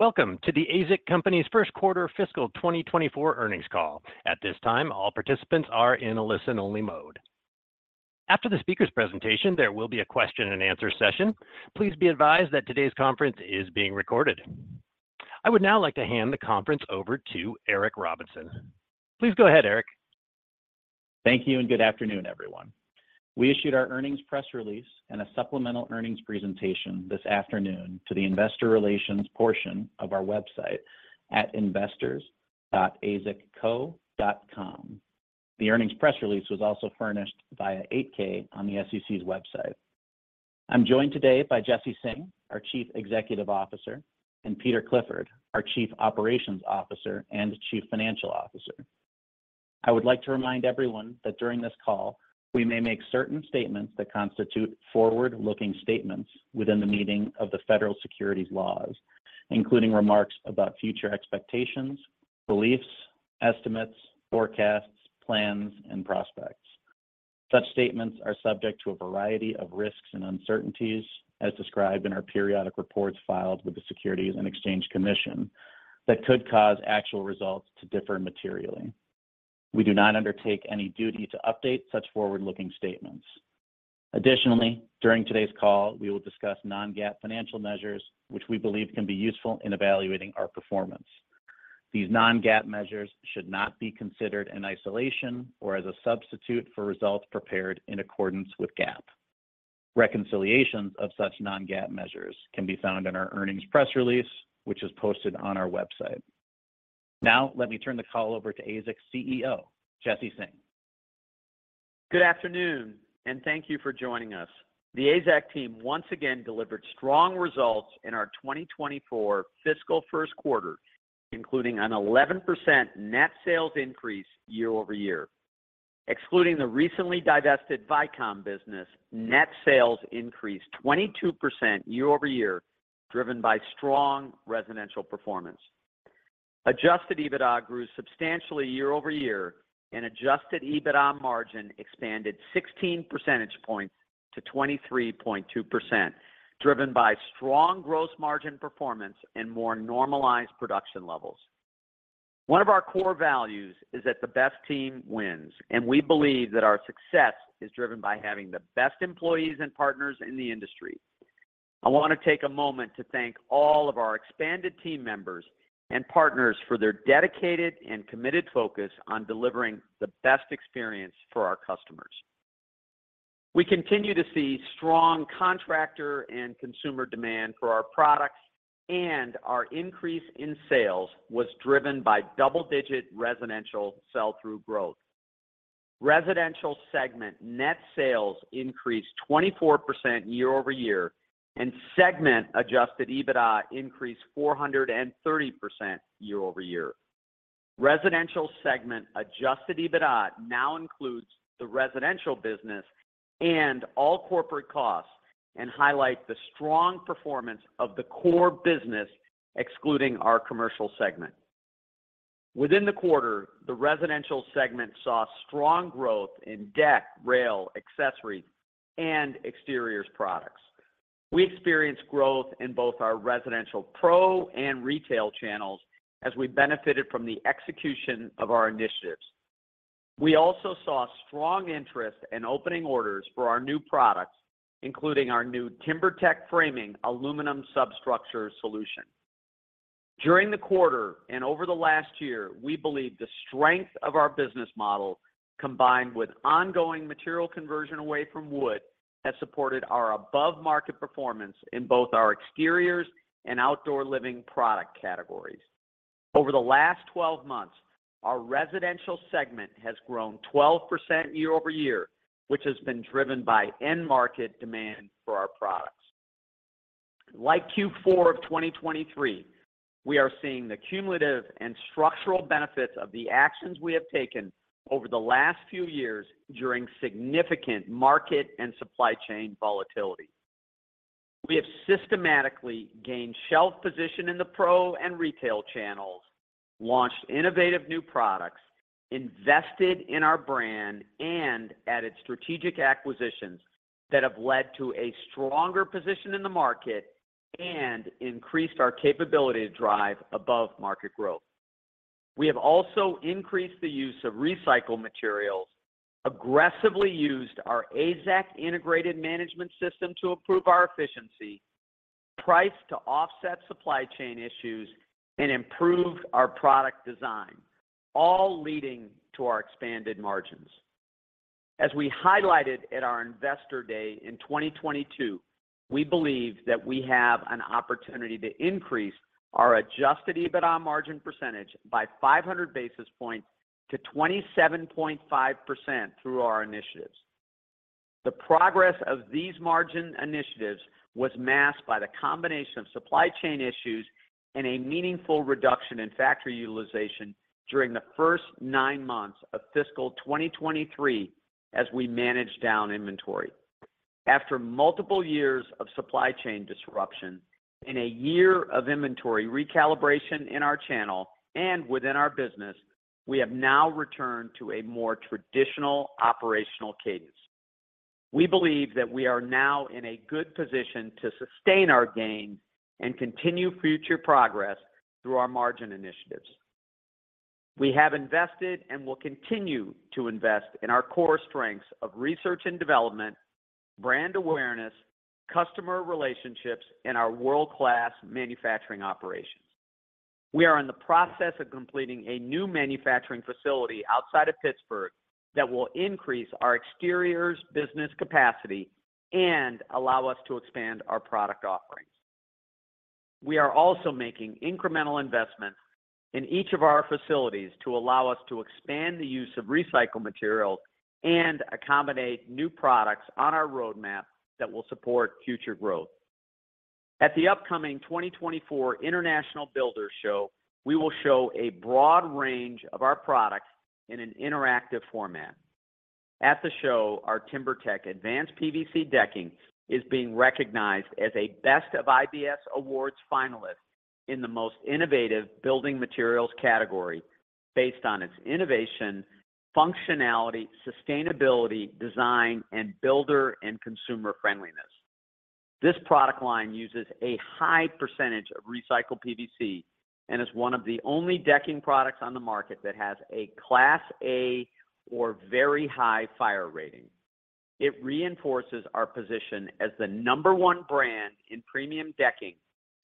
Welcome to the AZEK Company's first quarter fiscal 2024 earnings call. At this time, all participants are in a listen-only mode. After the speaker's presentation, there will be a Q&A session. Please be advised that today's conference is being recorded. I would now like to hand the conference over to Eric Robinson. Please go ahead, Eric. Thank you, and good afternoon, everyone. We issued our earnings press release and a supplemental earnings presentation this afternoon to the investor relations portion of our website at investors.azekco.com. The earnings press release was also furnished via 8-K on the SEC's website. I'm joined today by Jesse Singh, our Chief Executive Officer, and Peter Clifford, our Chief Operations Officer and Chief Financial Officer. I would like to remind everyone that during this call, we may make certain statements that constitute forward-looking statements within the meaning of the federal securities laws, including remarks about future expectations, beliefs, estimates, forecasts, plans, and prospects. Such statements are subject to a variety of risks and uncertainties, as described in our periodic reports filed with the Securities and Exchange Commission, that could cause actual results to differ materially. We do not undertake any duty to update such forward-looking statements. Additionally, during today's call, we will discuss non-GAAP financial measures, which we believe can be useful in evaluating our performance. These non-GAAP measures should not be considered in isolation or as a substitute for results prepared in accordance with GAAP. Reconciliations of such non-GAAP measures can be found in our earnings press release, which is posted on our website. Now, let me turn the call over to AZEK's CEO, Jesse Singh. Good afternoon, and thank you for joining us. The AZEK team once again delivered strong results in our 2024 fiscal first quarter, including an 11% net sales increase year-over-year. Excluding the recently divested Vycom business, net sales increased 22% year-over-year, driven by strong residential performance. Adjusted EBITDA grew substantially year-over-year, and adjusted EBITDA margin expanded 16 percentage points to 23.2%, driven by strong gross margin performance and more normalized production levels. One of our core values is that the best team wins, and we believe that our success is driven by having the best employees and partners in the industry. I want to take a moment to thank all of our expanded team members and partners for their dedicated and committed focus on delivering the best experience for our customers. We continue to see strong contractor and consumer demand for our products, and our increase in sales was driven by double-digit residential sell-through growth. Residential segment net sales increased 24% year-over-year, and segment adjusted EBITDA increased 430% year-over-year. Residential segment adjusted EBITDA now includes the residential business and all corporate costs and highlights the strong performance of the core business, excluding our commercial segment. Within the quarter, the residential segment saw strong growth in deck, rail, accessories, and exteriors products. We experienced growth in both our residential pro and retail channels as we benefited from the execution of our initiatives. We also saw strong interest in opening orders for our new products, including our new TimberTech Framing aluminum substructure solution. During the quarter and over the last year, we believe the strength of our business model, combined with ongoing material conversion away from wood, has supported our above-market performance in both our exteriors and outdoor living product categories. Over the last 12 months, our residential segment has grown 12% year-over-year, which has been driven by end market demand for our products. Like Q4 of 2023, we are seeing the cumulative and structural benefits of the actions we have taken over the last few years during significant market and supply chain volatility. We have systematically gained shelf position in the pro and retail channels, launched innovative new products, invested in our brand, and added strategic acquisitions that have led to a stronger position in the market and increased our capability to drive above-market growth. We have also increased the use of recycled materials, aggressively used our AZEK Integrated Management System to improve our efficiency, priced to offset supply chain issues, and improved our product design, all leading to our expanded margins. As we highlighted at our Investor Day in 2022, we believe that we have an opportunity to increase our adjusted EBITDA margin percentage by 500 basis points to 27.5% through our initiatives. The progress of these margin initiatives was masked by the combination of supply chain issues and a meaningful reduction in factory utilization during the first nine months of fiscal 2023 as we managed down inventory. After multiple years of supply chain disruption and a year of inventory recalibration in our channel and within our business, we have now returned to a more traditional operational cadence. We believe that we are now in a good position to sustain our gains and continue future progress through our margin initiatives. We have invested and will continue to invest in our core strengths of research and development, brand awareness, customer relationships, and our world-class manufacturing operations. We are in the process of completing a new manufacturing facility outside of Pittsburgh, that will increase our exteriors business capacity and allow us to expand our product offerings. We are also making incremental investments in each of our facilities to allow us to expand the use of recycled materials and accommodate new products on our roadmap that will support future growth. At the upcoming 2024 International Builders' Show, we will show a broad range of our products in an interactive format. At the show, our TimberTech Advanced PVC Decking is being recognized as a Best of IBS Awards finalist in the Most Innovative Building Materials category, based on its innovation, functionality, sustainability, design, and builder and consumer friendliness. This product line uses a high percentage of recycled PVC, and is one of the only decking products on the market that has a Class A or very high fire rating. It reinforces our position as the number one brand in premium decking,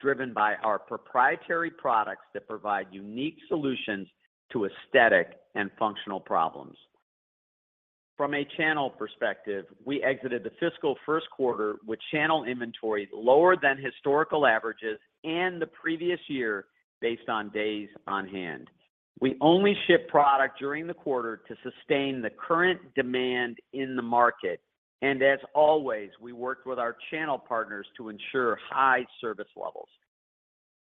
driven by our proprietary products that provide unique solutions to aesthetic and functional problems. From a channel perspective, we exited the fiscal first quarter with channel inventories lower than historical averages and the previous year based on days on hand. We only ship product during the quarter to sustain the current demand in the market, and as always, we worked with our channel partners to ensure high service levels.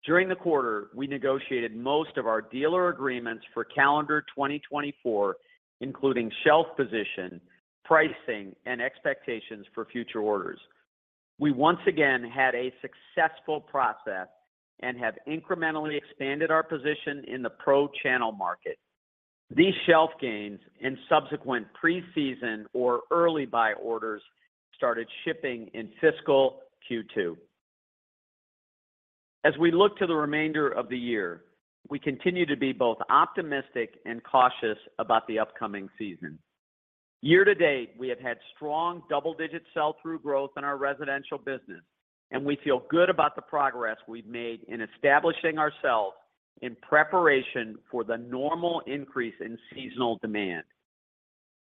During the quarter, we negotiated most of our dealer agreements for calendar 2024, including shelf position, pricing, and expectations for future orders. We once again had a successful process and have incrementally expanded our position in the pro-channel market. These shelf gains and subsequent pre-season or early buy orders started shipping in fiscal Q2. As we look to the remainder of the year, we continue to be both optimistic and cautious about the upcoming season. Year-to-date, we have had strong double-digit sell-through growth in our residential business, and we feel good about the progress we've made in establishing ourselves in preparation for the normal increase in seasonal demand.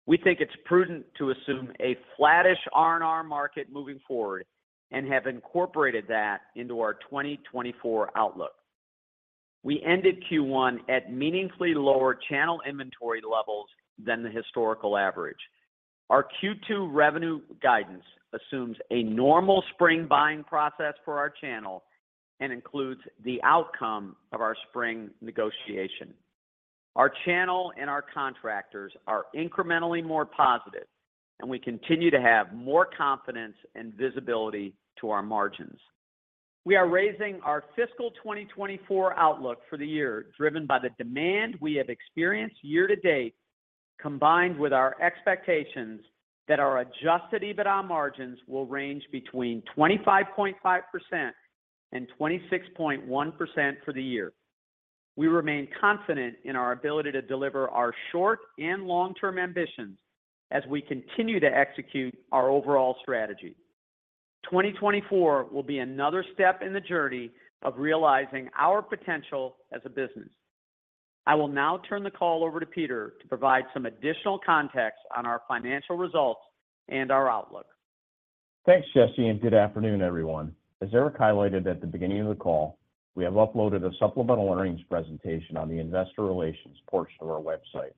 We think it's prudent to assume a flattish R&R market moving forward and have incorporated that into our 2024 outlook. We ended Q1 at meaningfully lower channel inventory levels than the historical average. Our Q2 revenue guidance assumes a normal spring buying process for our channel and includes the outcome of our spring negotiation. Our channel and our contractors are incrementally more positive, and we continue to have more confidence and visibility to our margins. We are raising our fiscal 2024 outlook for the year, driven by the demand we have experienced year-to-date, combined with our expectations that our adjusted EBITDA margins will range between 25.5% and 26.1% for the year. We remain confident in our ability to deliver our short and long-term ambitions as we continue to execute our overall strategy. 2024 will be another step in the journey of realizing our potential as a business. I will now turn the call over to Peter to provide some additional context on our financial results and our outlook. Thanks, Jesse, and good afternoon, everyone. As Eric highlighted at the beginning of the call, we have uploaded a supplemental earnings presentation on the investor relations portion of our website.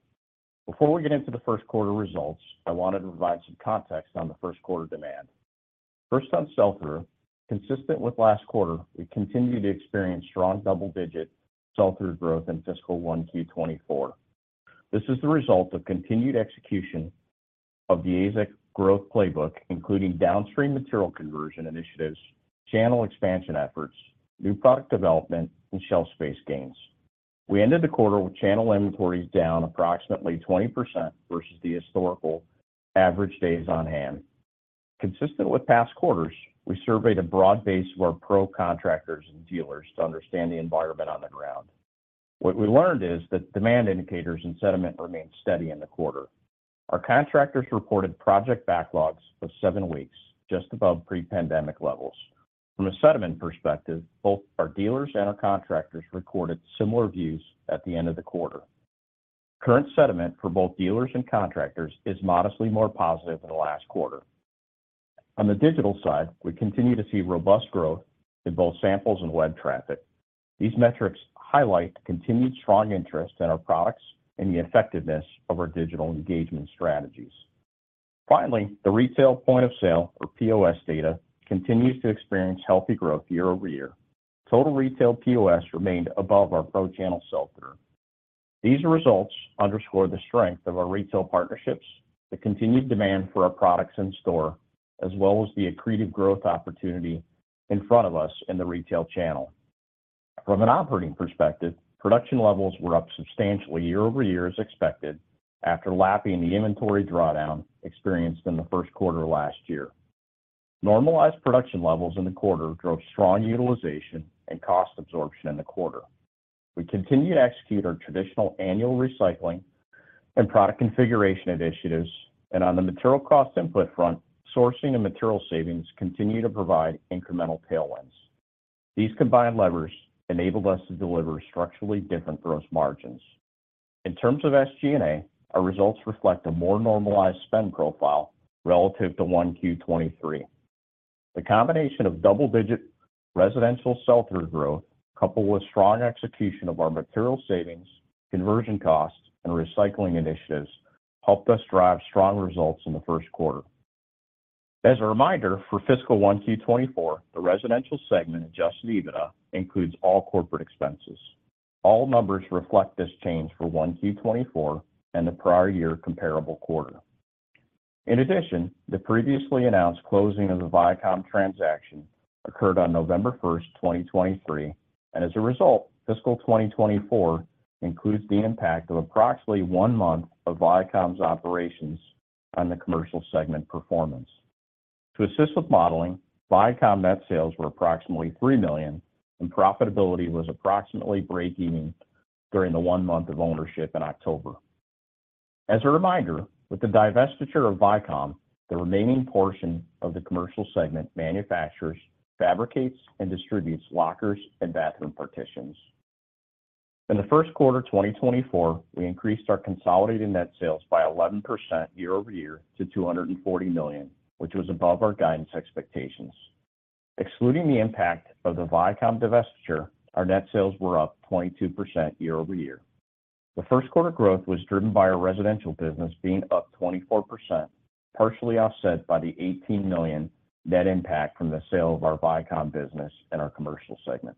Before we get into the first quarter results, I wanted to provide some context on the first quarter demand. First, on sell-through, consistent with last quarter, we continued to experience strong double-digit sell-through growth in fiscal 1Q 2024. This is the result of continued execution of the AZEK Growth Playbook, including downstream material conversion initiatives, channel expansion efforts, new product development, and shelf space gains. We ended the quarter with channel inventories down approximately 20% versus the historical average days on hand. Consistent with past quarters, we surveyed a broad base of our pro contractors and dealers to understand the environment on the ground. What we learned is that demand indicators and sentiment remained steady in the quarter. Our contractors reported project backlogs of seven weeks, just above pre-pandemic levels. From a sentiment perspective, both our dealers and our contractors recorded similar views at the end of the quarter. Current sentiment for both dealers and contractors is modestly more positive than last quarter. On the digital side, we continue to see robust growth in both samples and web traffic. These metrics highlight continued strong interest in our products and the effectiveness of our digital engagement strategies. Finally, the retail point of sale, or POS data, continues to experience healthy growth year-over-year. Total retail POS remained above our pro channel sell-through. These results underscore the strength of our retail partnerships, the continued demand for our products in store, as well as the accretive growth opportunity in front of us in the retail channel. From an operating perspective, production levels were up substantially year-over-year as expected, after lapping the inventory drawdown experienced in the first quarter of last year. Normalized production levels in the quarter drove strong utilization and cost absorption in the quarter. We continued to execute our traditional annual recycling and product configuration initiatives, and on the material cost input front, sourcing and material savings continued to provide incremental tailwinds. These combined levers enabled us to deliver structurally different gross margins. In terms of SG&A, our results reflect a more normalized spend profile relative to 1Q 2023. The combination of double-digit residential sell-through growth, coupled with strong execution of our material savings, conversion costs, and recycling initiatives, helped us drive strong results in the first quarter. As a reminder, for fiscal 1Q 2024, the residential segment adjusted EBITDA includes all corporate expenses. All numbers reflect this change for 1Q 2024 and the prior year comparable quarter. In addition, the previously announced closing of the Vycom transaction occurred on November 1st, 2023, and as a result, fiscal 2024 includes the impact of approximately one month of Vycom's operations on the commercial segment performance. To assist with modeling, Vycom net sales were approximately $3 million, and profitability was approximately break-even during the one month of ownership in October. As a reminder, with the divestiture of Vycom, the remaining portion of the commercial segment manufactures, fabricates, and distributes lockers and bathroom partitions. In the first quarter of 2024, we increased our consolidated net sales by 1% year-over-year to $240 million, which was above our guidance expectations. Excluding the impact of the Vycom divestiture, our net sales were up 22% year-over-year. The first quarter growth was driven by our residential business being up 24%, partially offset by the $18 million net impact from the sale of our Vycom business in our commercial segment.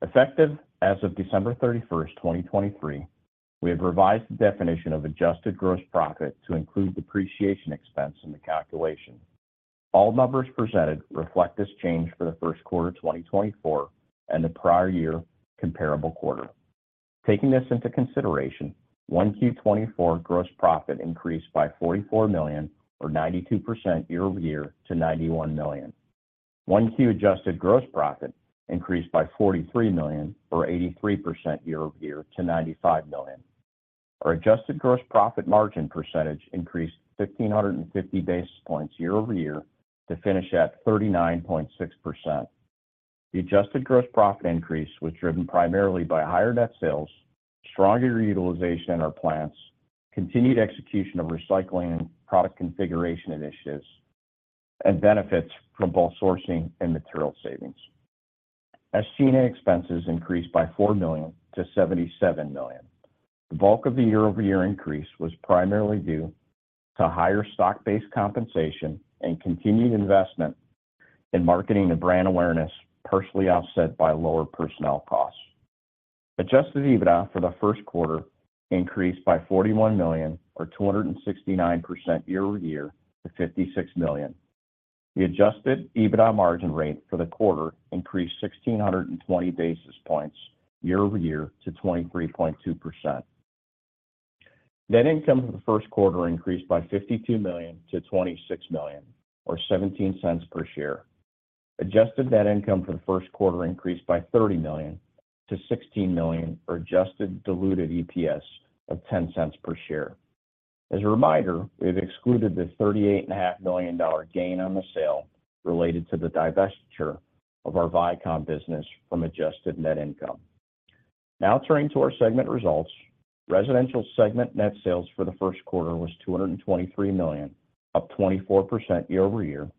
Effective as of December 31st, 2023, we have revised the definition of adjusted gross profit to include depreciation expense in the calculation. All numbers presented reflect this change for the first quarter of 2024 and the prior year comparable quarter. Taking this into consideration, 1Q 2024 gross profit increased by $44 million or 92% year-over-year to $91 million. 1Q adjusted gross profit increased by $43 million or 83% year-over-year to $95 million. Our adjusted gross profit margin percentage increased 1,550 basis points year-over-year to finish at 39.6%. The adjusted gross profit increase was driven primarily by higher net sales, stronger utilization in our plants, continued execution of recycling and product configuration initiatives, and benefits from both sourcing and material savings. SG&A expenses increased by $4 million to $77 million. The bulk of the year-over-year increase was primarily due to higher stock-based compensation and continued investment in marketing and brand awareness, partially offset by lower personnel costs. Adjusted EBITDA for the first quarter increased by $41 million or 269% year-over-year to $56 million. The adjusted EBITDA margin rate for the quarter increased 1,620 basis points year-over-year to 23.2%. Net income for the first quarter increased by $52 million to $26 million or $0.17 per share. Adjusted net income for the first quarter increased by $30 million to $16 million or adjusted diluted EPS of $0.10 per share. As a reminder, we've excluded the $38.5 million dollar gain on the sale related to the divestiture of our Vycom business from adjusted net income. Now turning to our segment results. Residential segment net sales for the first quarter was $223 million, up 24% year-over-year.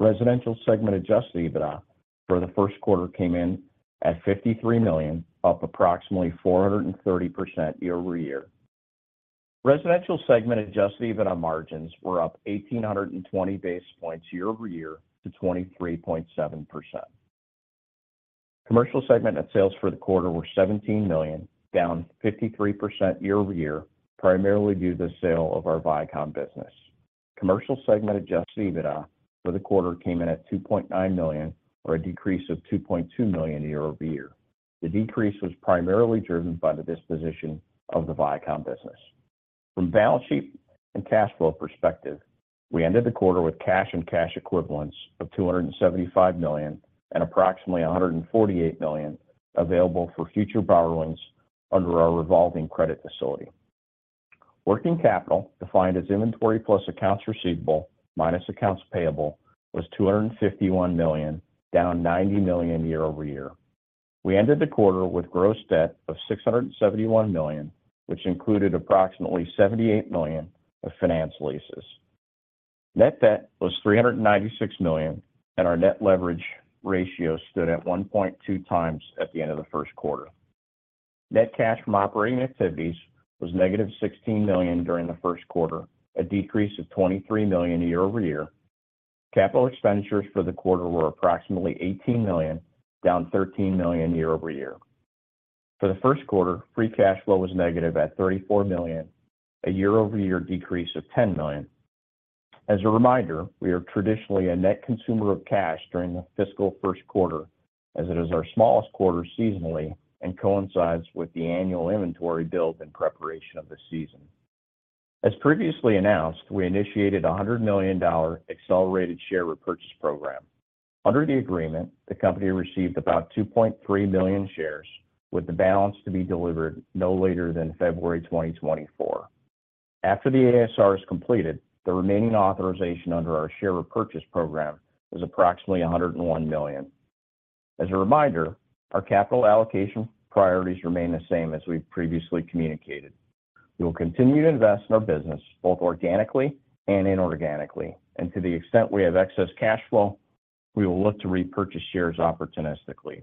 Residential segment adjusted EBITDA for the first quarter came in at $53 million, up approximately 430% year-over-year. Residential segment adjusted EBITDA margins were up 1,820 basis points year-over-year to 23.7%. Commercial segment net sales for the quarter were $17 million, down 53% year-over-year, primarily due to the sale of our Vycom business. Commercial segment adjusted EBITDA for the quarter came in at $2.9 million, or a decrease of $2.2 million year-over-year. The decrease was primarily driven by the disposition of the Vycom business. From balance sheet and cash flow perspective, we ended the quarter with cash and cash equivalents of $275 million, and approximately $148 million available for future borrowings under our revolving credit facility. Working capital, defined as inventory plus accounts receivable, minus accounts payable, was $251 million, down $90 million year-over-year. We ended the quarter with gross debt of $671 million, which included approximately $78 million of finance leases. Net debt was $396 million, and our net leverage ratio stood at 1.2 times at the end of the first quarter. Net cash from operating activities was -$16 million during the first quarter, a decrease of $23 million year-over-year. Capital expenditures for the quarter were approximately $18 million, down $13 million year-over-year. For the first quarter, free cash flow was negative at $34 million, a year-over-year decrease of $10 million. As a reminder, we are traditionally a net consumer of cash during the fiscal first quarter, as it is our smallest quarter seasonally and coincides with the annual inventory build in preparation of the season. As previously announced, we initiated a $100 million accelerated share repurchase program. Under the agreement, the company received about 2.3 million shares, with the balance to be delivered no later than February 2024. After the ASR is completed, the remaining authorization under our share repurchase program is approximately $101 million. As a reminder, our capital allocation priorities remain the same as we've previously communicated. We will continue to invest in our business, both organically and inorganically, and to the extent we have excess cash flow, we will look to repurchase shares opportunistically.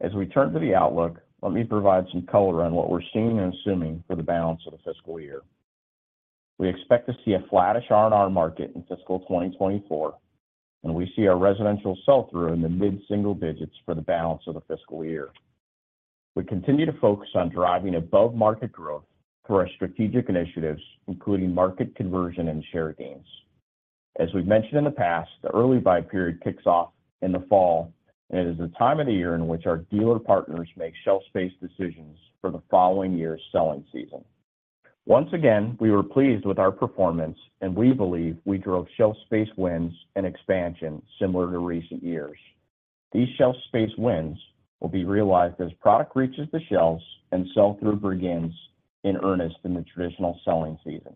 As we turn to the outlook, let me provide some color on what we're seeing and assuming for the balance of the fiscal year. We expect to see a flattish R&R market in fiscal 2024, and we see our residential sell-through in the mid-single digits for the balance of the fiscal year. We continue to focus on driving above-market growth through our strategic initiatives, including market conversion and share gains. As we've mentioned in the past, the early buy period kicks off in the fall, and it is the time of the year in which our dealer partners make shelf space decisions for the following year's selling season. Once again, we were pleased with our performance, and we believe we drove shelf space wins and expansion similar to recent years. These shelf space wins will be realized as product reaches the shelves and sell-through begins in earnest in the traditional selling season.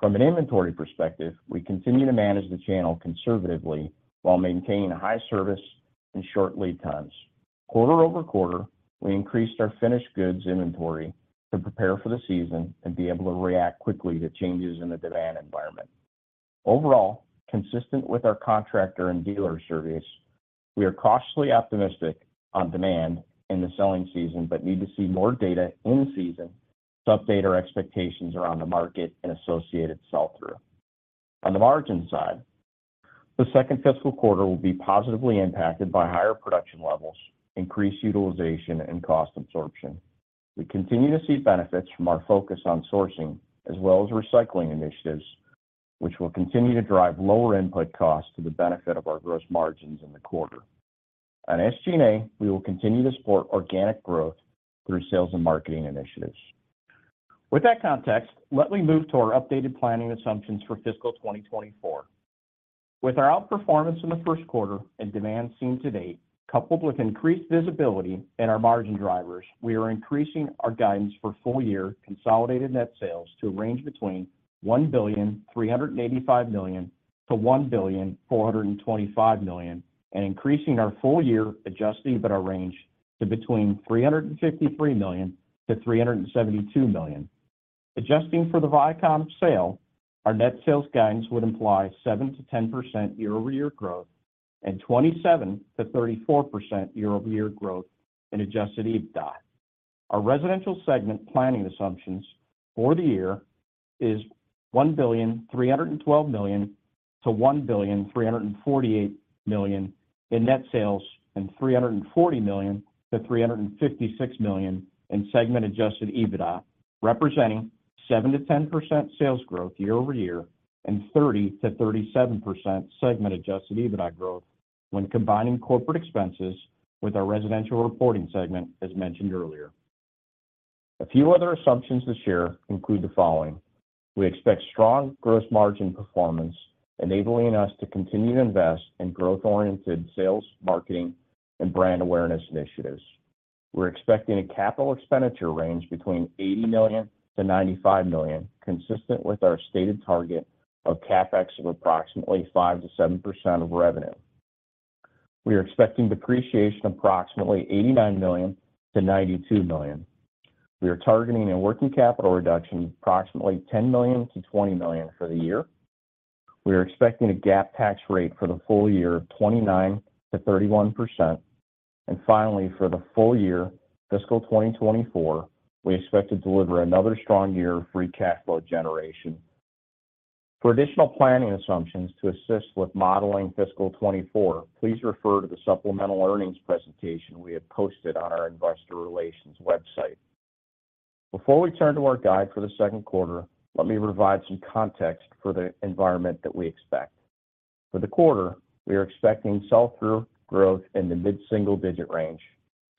From an inventory perspective, we continue to manage the channel conservatively while maintaining high service and short lead times. Quarter-over-quarter, we increased our finished goods inventory to prepare for the season and be able to react quickly to changes in the demand environment. Overall, consistent with our contractor and dealer service, we are cautiously optimistic on demand in the selling season, but need to see more data in season to update our expectations around the market and associated sell-through. On the margin side, the second fiscal quarter will be positively impacted by higher production levels, increased utilization, and cost absorption. We continue to see benefits from our focus on sourcing as well as recycling initiatives, which will continue to drive lower input costs to the benefit of our gross margins in the quarter. On SG&A, we will continue to support organic growth through sales and marketing initiatives. With that context, let me move to our updated planning assumptions for fiscal 2024. With our outperformance in the first quarter and demand seen to date, coupled with increased visibility in our margin drivers, we are increasing our guidance for full-year consolidated net sales to a range between $1.385 billion-$1.425 billion, and increasing our full-year adjusted EBITDA range to between $353 million-$372 million. Adjusting for the Vycom sale, our net sales guidance would imply 7%-10% year-over-year growth and 27%-34% year-over-year growth in adjusted EBITDA. Our residential segment planning assumptions for the year is $1.312 billion-$1.348 billion in net sales and $340 million-$356 million in segment adjusted EBITDA, representing 7%-10% sales growth year-over-year and 30%-37% segment adjusted EBITDA growth when combining corporate expenses with our residential reporting segment, as mentioned earlier. A few other assumptions to share include the following: We expect strong gross margin performance, enabling us to continue to invest in growth-oriented sales, marketing, and brand awareness initiatives. We're expecting a capital expenditure range between $80 million-$95 million, consistent with our stated target of CapEx of approximately 5%-7% of revenue. We are expecting depreciation approximately $89 million-$92 million. We are targeting a working capital reduction approximately $10 million-$20 million for the year. We are expecting a GAAP tax rate for the full year of 29%-31%. Finally, for the full year, fiscal 2024, we expect to deliver another strong year of free cash flow generation. For additional planning assumptions to assist with modeling fiscal 2024, please refer to the supplemental earnings presentation we have posted on our investor relations website. Before we turn to our guide for the second quarter, let me provide some context for the environment that we expect. For the quarter, we are expecting sell-through growth in the mid-single-digit range.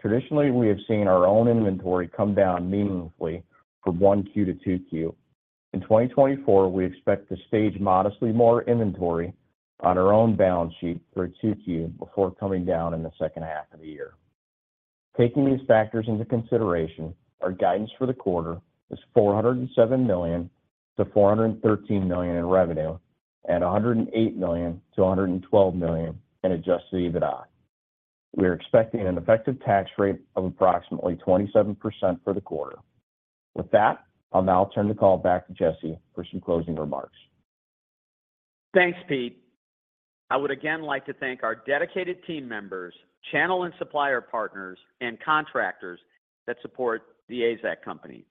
Traditionally, we have seen our own inventory come down meaningfully from 1Q to 2Q. In 2024, we expect to stage modestly more inventory on our own balance sheet for 2Q before coming down in the second half of the year. Taking these factors into consideration, our guidance for the quarter is $407 million-$413 million in revenue and $108 million-$112 million in adjusted EBITDA. We are expecting an effective tax rate of approximately 27% for the quarter. With that, I'll now turn the call back to Jesse for some closing remarks. Thanks, Pete. I would again like to thank our dedicated team members, channel and supplier partners, and contractors that support the AZEK Company.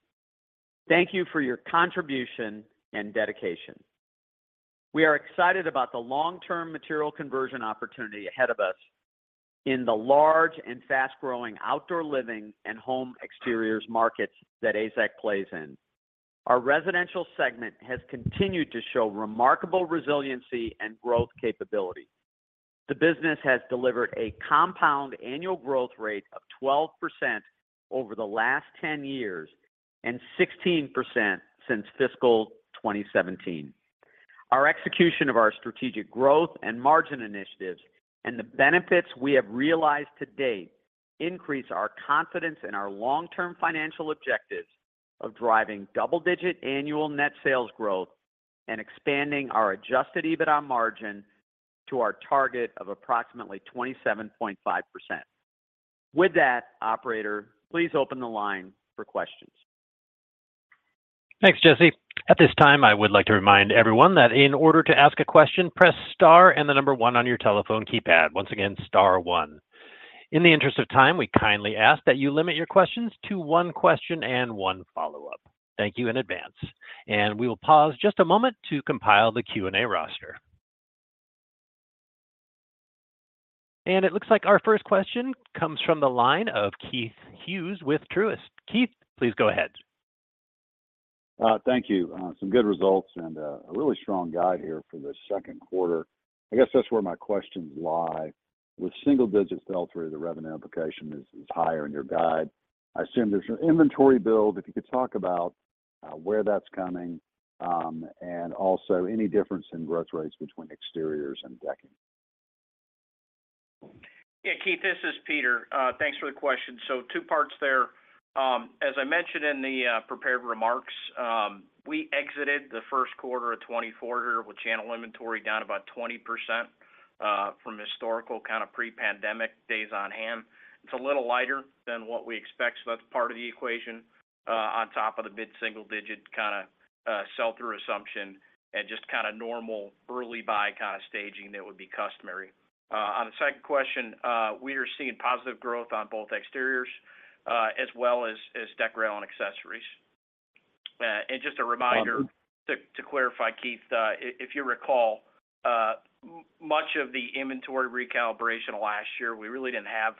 Thank you for your contribution and dedication. We are excited about the long-term material conversion opportunity ahead of us in the large and fast-growing outdoor living and home exteriors markets that AZEK plays in. Our residential segment has continued to show remarkable resiliency and growth capability. The business has delivered a compound annual growth rate of 12% over the last 10 years, and 16% since fiscal 2017. Our execution of our strategic growth and margin initiatives, and the benefits we have realized to date, increase our confidence in our long-term financial objectives of driving double-digit annual net sales growth and expanding our adjusted EBITDA margin to our target of approximately 27.5%. With that, operator, please open the line for questions. Thanks, Jesse. At this time, I would like to remind everyone that in order to ask a question, press star and the number one on your telephone keypad. Once again, star one. In the interest of time, we kindly ask that you limit your questions to one question and one follow-up. Thank you in advance, and we will pause just a moment to compile the Q&A roster. It looks like our first question comes from the line of Keith Hughes with Truist. Keith, please go ahead. Thank you. Some good results and a really strong guide here for the second quarter. I guess that's where my questions lie. With single digits sell-through, the revenue application is higher in your guide. I assume there's an inventory build. If you could talk about where that's coming, and also any difference in growth rates between exteriors and decking. Yeah, Keith, this is Peter. Thanks for the question. So two parts there. As I mentioned in the prepared remarks, we exited the first quarter of 2024 here with channel inventory down about 20% from historical kind of pre-pandemic days on hand. It's a little lighter than what we expect, so that's part of the equation on top of the mid-single digit kind of sell-through assumption and just kind of normal early buy kind of staging that would be customary. On the second question, we are seeing positive growth on both exteriors as well as deck rail and accessories. And just a reminder- Um- To clarify, Keith, if you recall, much of the inventory recalibration last year, we really didn't have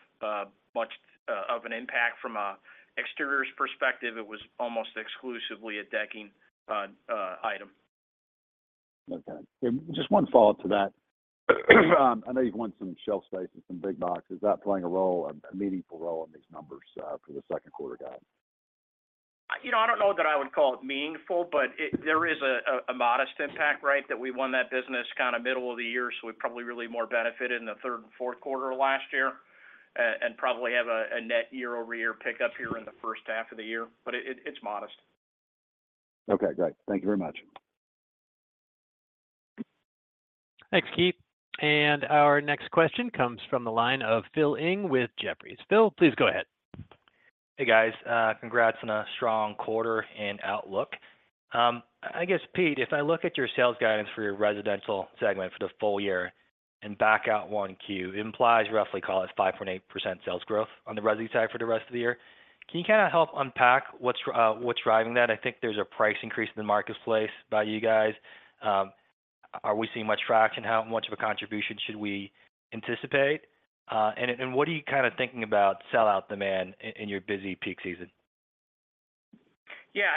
much of an impact from an exteriors perspective. It was almost exclusively a decking item. Okay. Just one follow-up to that. I know you've won some shelf space in some big boxes. Is that playing a role, a meaningful role in these numbers, for the second quarter guide? You know, I don't know that I would call it meaningful, but there is a modest impact, right? That we won that business kind of middle of the year, so we probably really more benefited in the third and fourth quarter of last year. And probably have a net year-over-year pickup here in the first half of the year, but it's modest. Okay, great. Thank you very much. Thanks, Keith. Our next question comes from the line of Phil Ng with Jefferies. Phil, please go ahead. Hey, guys, congrats on a strong quarter and outlook. I guess, Pete, if I look at your sales guidance for your residential segment for the full year and back out 1Q, it implies roughly, call it, 5.8% sales growth on the resi side for the rest of the year. Can you kind of help unpack what's driving that? I think there's a price increase in the marketplace by you guys. Are we seeing much traction? How much of a contribution should we anticipate? And what are you kind of thinking about sell-out demand in your busy peak season? Yeah,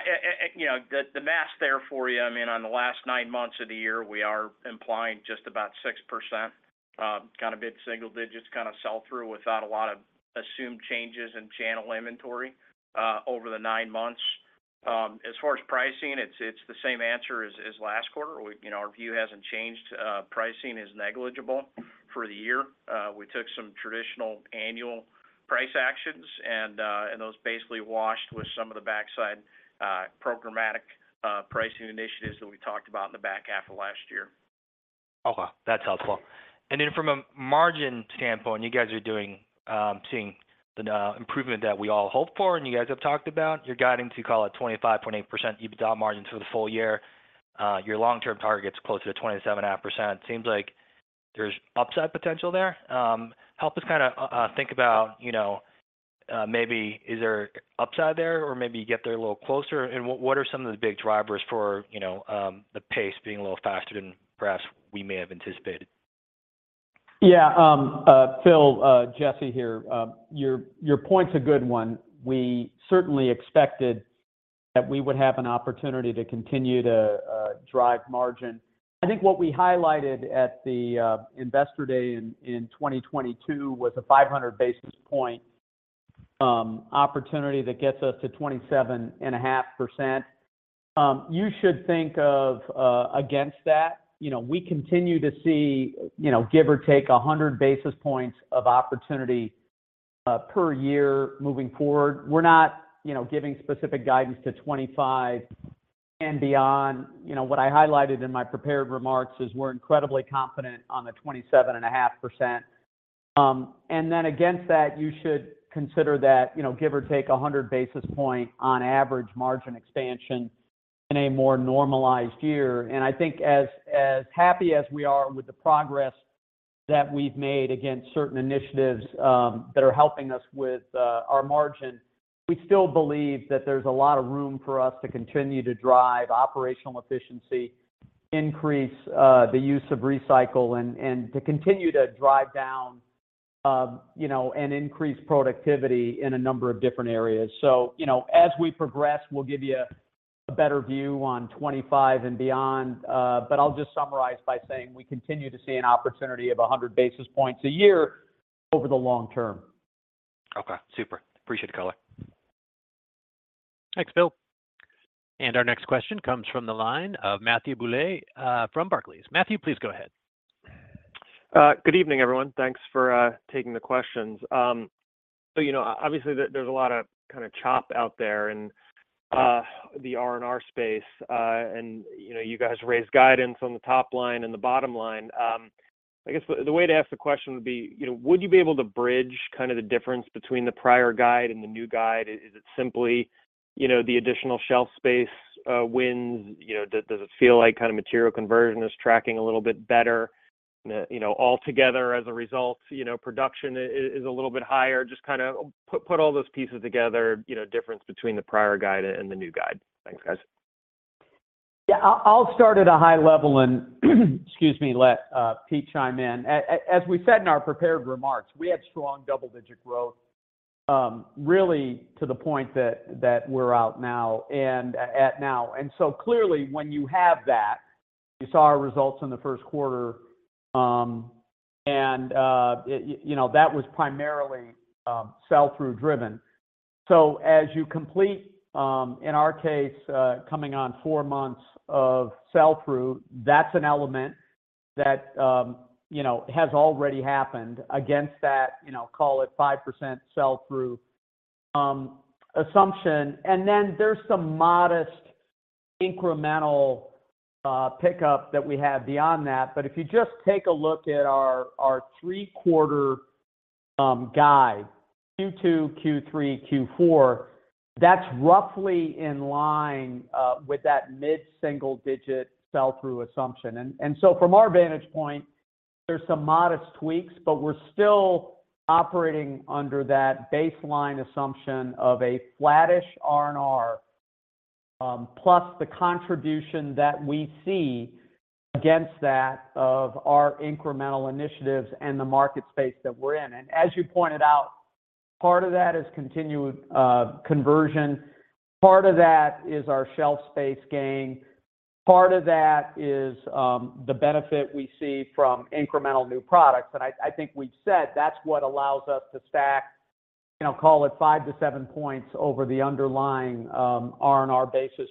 you know, the math there for you, I mean, on the last nine months of the year, we are implying just about 6%, kind of mid-single digits, kind of sell-through without a lot of assumed changes in channel inventory over the nine months. As far as pricing, it's the same answer as last quarter. We, you know, our view hasn't changed. Pricing is negligible for the year. We took some traditional annual price actions and those basically washed with some of the backside programmatic pricing initiatives that we talked about in the back half of last year. Okay, that's helpful. Then from a margin standpoint, you guys are doing, seeing the improvement that we all hope for and you guys have talked about. You're guiding to, call it, 25.8% EBITDA margin for the full year. Your long-term target's closer to 27.5%. Seems like there's upside potential there? Help us kind of think about, you know, maybe is there upside there, or maybe you get there a little closer, and what, what are some of the big drivers for, you know, the pace being a little faster than perhaps we may have anticipated? Yeah, Phil, Jesse here. Your point's a good one. We certainly expected that we would have an opportunity to continue to drive margin. I think what we highlighted at the Investor Day in 2022 was a 500 basis point opportunity that gets us to 27.5%. You should think of against that. You know, we continue to see, you know, give or take, 100 basis points of opportunity per year moving forward. We're not, you know, giving specific guidance to 2025 and beyond. You know, what I highlighted in my prepared remarks is we're incredibly confident on the 27.5%. And then against that, you should consider that, you know, give or take, a 100 basis point on average margin expansion in a more normalized year. And I think as happy as we are with the progress that we've made against certain initiatives, that are helping us with our margin, we still believe that there's a lot of room for us to continue to drive operational efficiency, increase the use of recycle and to continue to drive down, you know, and increase productivity in a number of different areas. So, you know, as we progress, we'll give you a better view on 25 and beyond. But I'll just summarize by saying we continue to see an opportunity of 100 basis points a year over the long term. Okay, super. Appreciate the color. Our next question comes from the line of Matthew Bouley from Barclays. Matthew, please go ahead. Good evening, everyone. Thanks for taking the questions. So, you know, obviously, there's a lot of kind of chop out there in the R&R space, and, you know, you guys raised guidance on the top line and the bottom line. I guess the way to ask the question would be, you know, would you be able to bridge kind of the difference between the prior guide and the new guide? Is it simply, you know, the additional shelf space wins? You know, does it feel like kind of material conversion is tracking a little bit better? You know, altogether as a result, you know, production is a little bit higher. Just kind of put all those pieces together, you know, difference between the prior guide and the new guide. Thanks, guys. Yeah, I'll start at a high level and, excuse me, let Pete chime in. As we said in our prepared remarks, we had strong double-digit growth, really to the point that we're out now and at now. And so clearly, when you have that, you saw our results in the first quarter. And you know, that was primarily sell-through driven. So as you complete, in our case, coming on four months of sell-through, that's an element that you know has already happened against that call it 5% sell-through assumption. And then there's some modest incremental pickup that we have beyond that. But if you just take a look at our three-quarters guide, Q2, Q3, Q4, that's roughly in line with that mid-single-digit sell-through assumption. From our vantage point, there's some modest tweaks, but we're still operating under that baseline assumption of a flattish R&R, plus the contribution that we see against that of our incremental initiatives and the market space that we're in. As you pointed out, part of that is continued conversion, part of that is our shelf space gain, part of that is the benefit we see from incremental new products. I think we've said that's what allows us to stack, you know, call it five to seven points over the underlying R&R basis.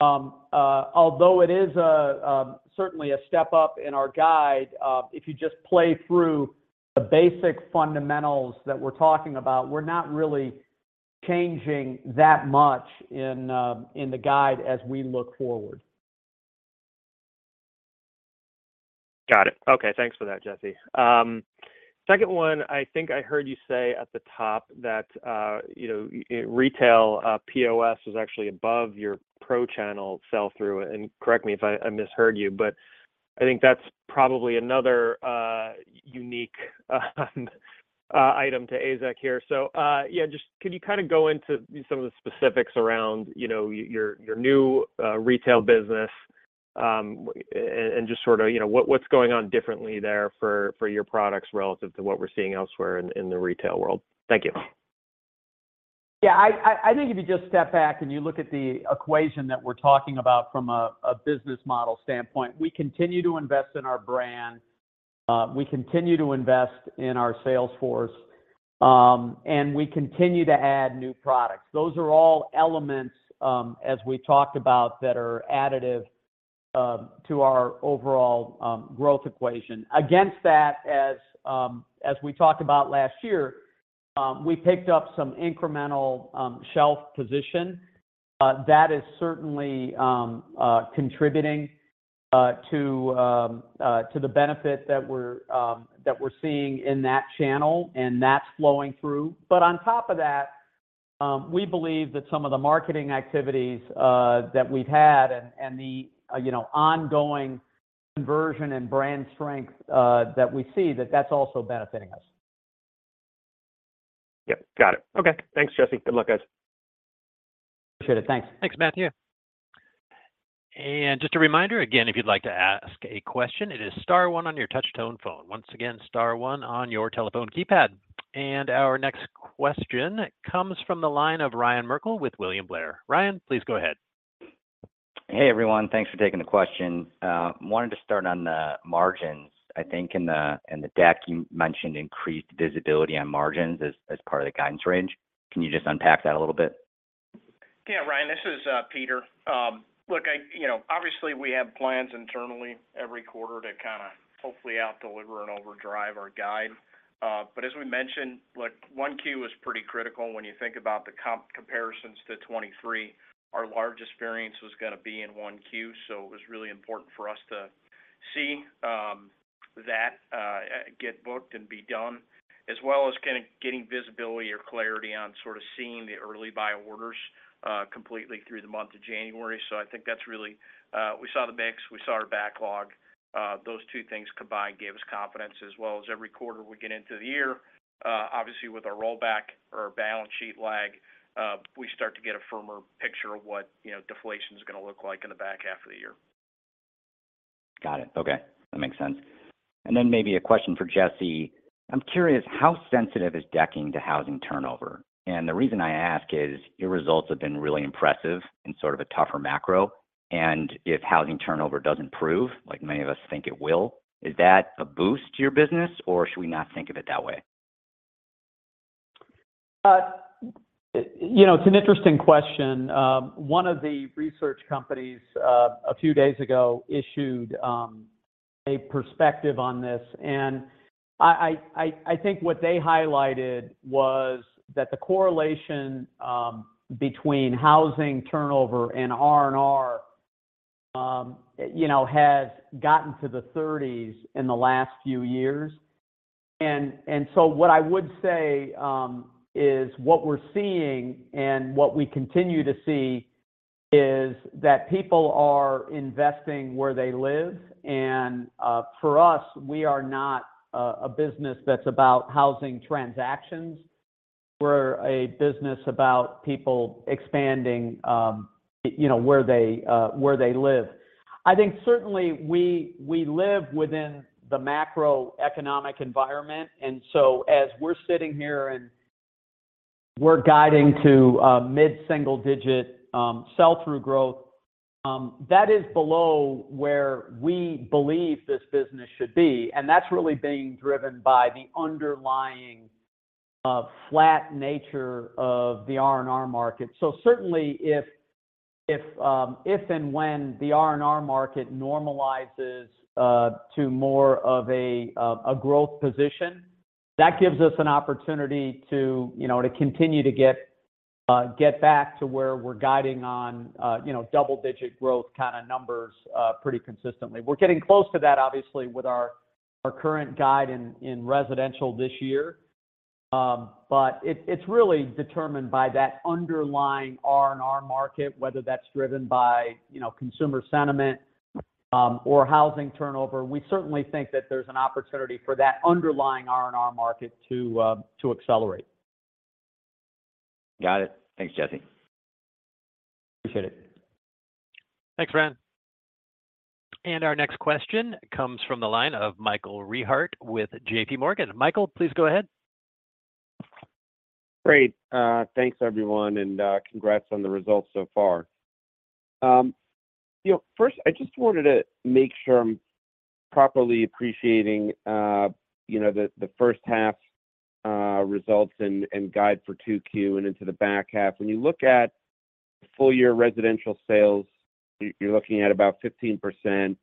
Although it is certainly a step up in our guide, if you just play through the basic fundamentals that we're talking about, we're not really changing that much in the guide as we look forward. Got it. Okay, thanks for that, Jesse. Second one, I think I heard you say at the top that, you know, retail POS was actually above your pro channel sell-through, and correct me if I misheard you, but I think that's probably another unique item to AZEK here. So, yeah, just could you kind of go into some of the specifics around, you know, your new retail business? And just sort of, you know, what, what's going on differently there for your products relative to what we're seeing elsewhere in the retail world? Thank you. Yeah, I think if you just step back and you look at the equation that we're talking about from a business model standpoint, we continue to invest in our brand, we continue to invest in our sales force, and we continue to add new products. Those are all elements, as we talked about, that are additive to our overall growth equation. Against that, as we talked about last year, we picked up some incremental shelf position. That is certainly contributing to the benefit that we're seeing in that channel, and that's flowing through. But on top of that, we believe that some of the marketing activities that we've had and the ongoing conversion and brand strength that we see, that that's also benefiting us. Yep, got it. Okay, thanks, Jesse. Good luck, guys. Appreciate it. Thanks. Thanks, Matthew. And just a reminder again, if you'd like to ask a question, it is star one on your touch tone phone. Once again, star one on your telephone keypad. And our next question comes from the line of Ryan Merkel with William Blair. Ryan, please go ahead. Hey, everyone. Thanks for taking the question. Wanted to start on the margins. I think in the, in the deck, you mentioned increased visibility on margins as, as part of the guidance range. Can you just unpack that a little bit? Yeah, Ryan, this is Peter. Look, you know, obviously, we have plans internally every quarter to kind of hopefully out deliver and overdrive our guide. But as we mentioned, look, 1Q is pretty critical when you think about the comp comparisons to 2023. Our largest variance was gonna be in 1Q, so it was really important for us to see that get booked and be done, as well as kind of getting visibility or clarity on sort of seeing the early buy orders completely through the month of January. So I think that's really... We saw the mix, we saw our backlog. Those two things combined give us confidence as well as every quarter we get into the year. Obviously, with our rollback or balance sheet lag, we start to get a firmer picture of what, you know, deflation is gonna look like in the back half of the year. Got it. Okay, that makes sense. And then maybe a question for Jesse. I'm curious, how sensitive is decking to housing turnover? And the reason I ask is, your results have been really impressive in sort of a tougher macro, and if housing turnover doesn't improve, like many of us think it will, is that a boost to your business, or should we not think of it that way? You know, it's an interesting question. One of the research companies a few days ago issued a perspective on this. And I think what they highlighted was that the correlation between housing turnover and R&R, you know, has gotten to the thirties in the last few years. And so what I would say is what we're seeing and what we continue to see is that people are investing where they live, and for us, we are not a business that's about housing transactions. We're a business about people expanding, you know, where they live. I think certainly we live within the macroeconomic environment, and so as we're sitting here and we're guiding to mid-single-digit sell-through growth, that is below where we believe this business should be, and that's really being driven by the underlying flat nature of the R&R market. So certainly, if and when the R&R market normalizes to more of a growth position, that gives us an opportunity to, you know, to continue to get back to where we're guiding on, you know, double-digit growth kinda numbers pretty consistently. We're getting close to that, obviously, with our current guide in residential this year. But it's really determined by that underlying R&R market, whether that's driven by, you know, consumer sentiment or housing turnover. We certainly think that there's an opportunity for that underlying R&R market to accelerate. Got it. Thanks, Jesse. Appreciate it. Thanks, Ryan. And our next question comes from the line of Michael Rehaut with J.P. Morgan. Michael, please go ahead. Great. Thanks, everyone, and congrats on the results so far. You know, first, I just wanted to make sure I'm properly appreciating, you know, the first half results and guide for 2Q and into the back half. When you look at full year residential sales, you're looking at about 15%.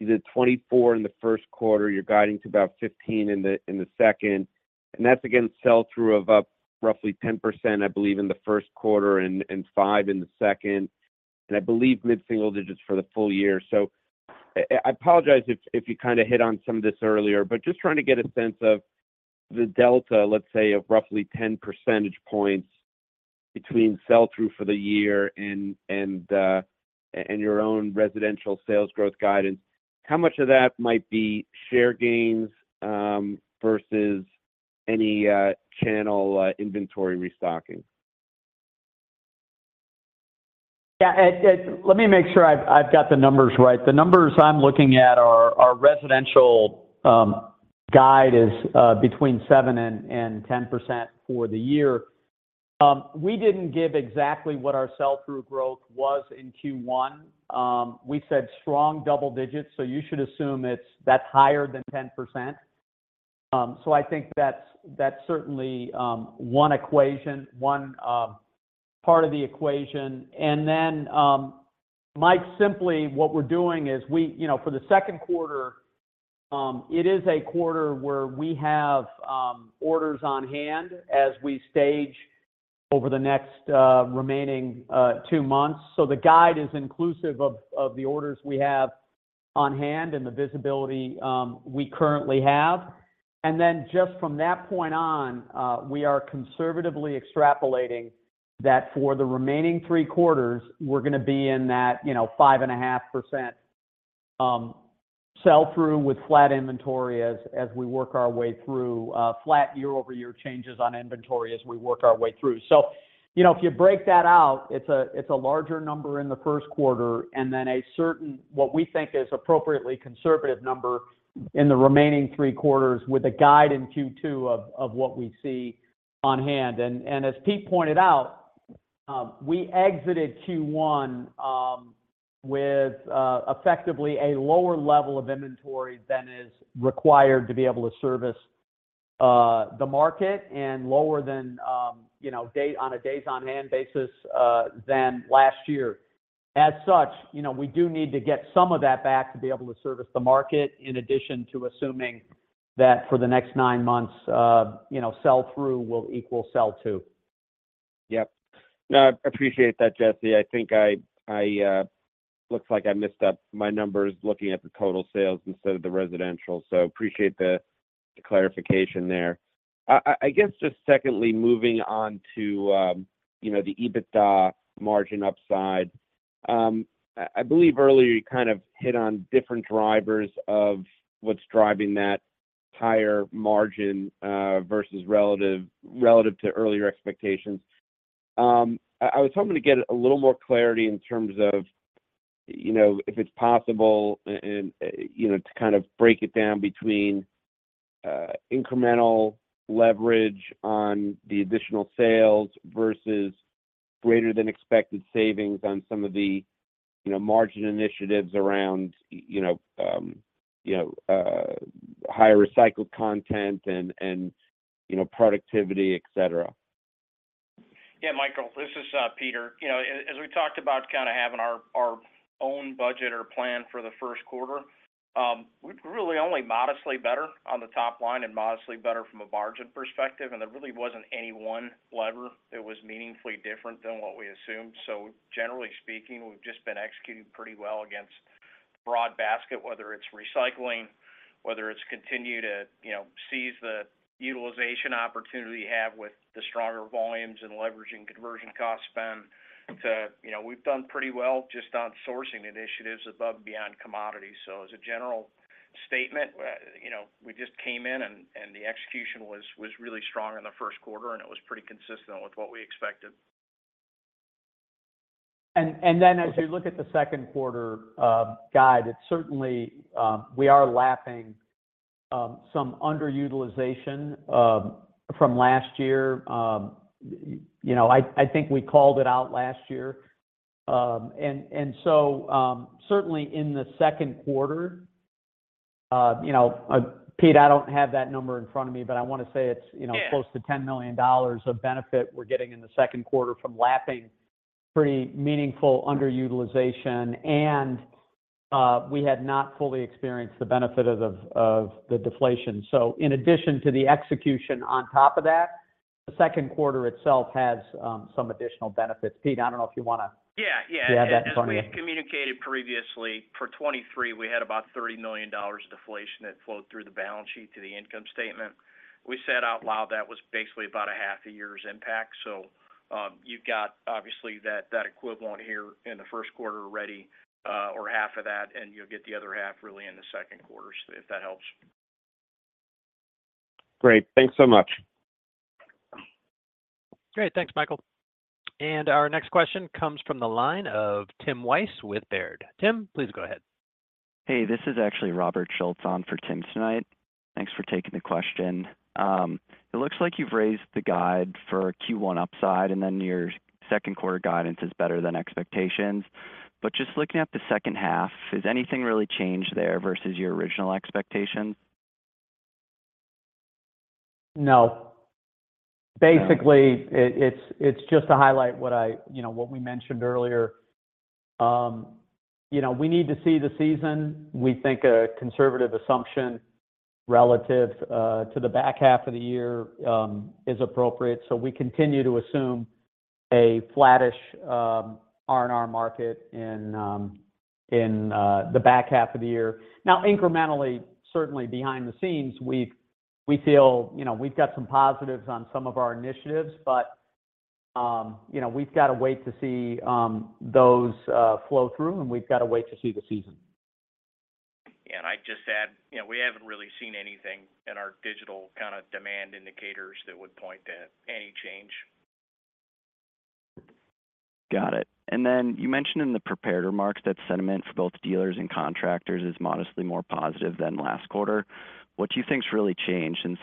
You did 24 in the first quarter, you're guiding to about 15 in the second, and that's again, sell through of up roughly 10%, I believe, in the first quarter and five in the second, and I believe mid-single digits for the full year. So I apologize if you kinda hit on some of this earlier, but just trying to get a sense of the delta, let's say, of roughly 10 percentage points between sell-through for the year and your own residential sales growth guidance. How much of that might be share gains versus any channel inventory restocking? Yeah, let me make sure I've got the numbers right. The numbers I'm looking at are residential guide is between 7% and 10% for the year. We didn't give exactly what our sell-through growth was in Q1. We said strong double digits, so you should assume it's. That's higher than 10%. So I think that's certainly one part of the equation. And then, Mike, simply what we're doing is we, you know, for the second quarter, it is a quarter where we have orders on hand as we stage over the next remaining two months. So the guide is inclusive of the orders we have on hand and the visibility we currently have. Then just from that point on, we are conservatively extrapolating that for the remaining three-quarters we're gonna be in that, you know, 5.5% sell-through with flat inventory as we work our way through flat year-over-year changes on inventory as we work our way through. So, you know, if you break that out, it's a, it's a larger number in the first quarter, and then a certain, what we think is appropriately conservative number in the remaining three quarters, with a guide in Q2 of what we see on hand. And as Pete pointed out, we exited Q1 with effectively a lower level of inventory than is required to be able to service the market and lower than, you know, days on hand basis than last year. As such, you know, we do need to get some of that back to be able to service the market, in addition to assuming that for the next nine months, you know, sell-through will equal sell to. Yep. No, I appreciate that, Jesse. I think I... Looks like I messed up my numbers looking at the total sales instead of the residential, so appreciate the clarification there. I guess just secondly, moving on to, you know, the EBITDA margin upside. I believe earlier you kind of hit on different drivers of what's driving that higher margin versus relative to earlier expectations. I was hoping to get a little more clarity in terms of, you know, if it's possible and, you know, to kind of break it down between incremental leverage on the additional sales versus greater than expected savings on some of the, you know, margin initiatives around, you know, higher recycled content and, you know, productivity, et cetera. Yeah, Michael, this is Peter. You know, as we talked about kind of having our own budget or plan for the first quarter, we're really only modestly better on the top line and modestly better from a margin perspective, and there really wasn't any one lever that was meaningfully different than what we assumed. So generally speaking, we've just been executing pretty well against broad basket, whether it's recycling, whether it's continue to, you know, seize the utilization opportunity you have with the stronger volumes and leveraging conversion cost spend to. You know, we've done pretty well just on sourcing initiatives above and beyond commodities. So as a general statement, you know, we just came in and the execution was really strong in the first quarter, and it was pretty consistent with what we expected. And then as you look at the second quarter guide, it's certainly we are lapping some underutilization from last year. You know, I think we called it out last year. And so, certainly in the second quarter, you know, Pete, I don't have that number in front of me, but I wanna say it's, you know- Yeah close to $10 million of benefit we're getting in the second quarter from lapping pretty meaningful underutilization. And we had not fully experienced the benefit of the deflation. So in addition to the execution on top of that, the second quarter itself has some additional benefits. Pete, I don't know if you wanna- Yeah, yeah... to add that point. As we communicated previously, for 2023, we had about $30 million deflation that flowed through the balance sheet to the income statement. We said out loud, that was basically about a half a year's impact. So, you've got obviously that, that equivalent here in the first quarter already, or half of that, and you'll get the other half really in the second quarter, if that helps. Great. Thanks so much. Great. Thanks, Michael. And our next question comes from the line of Tim Wojs with Baird. Tim, please go ahead. Hey, this is actually Robert Schultz on for Tim tonight. Thanks for taking the question. It looks like you've raised the guide for Q1 upside, and then your second quarter guidance is better than expectations. Just looking at the second half, has anything really changed there versus your original expectation? No. Yeah. Basically, it's just to highlight what I... You know, what we mentioned earlier. You know, we need to see the season. We think a conservative assumption relative to the back half of the year is appropriate. So we continue to assume a flattish R&R market in the back half of the year. Now, incrementally, certainly behind the scenes, we feel, you know, we've got some positives on some of our initiatives, but, you know, we've got to wait to see those flow through, and we've got to wait to see the season. And I'd just add, you know, we haven't really seen anything in our digital kind of demand indicators that would point to any change. Got it. And then you mentioned in the prepared remarks that sentiment for both dealers and contractors is modestly more positive than last quarter. What do you think has really changed since